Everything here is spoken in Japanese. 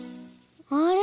あれ？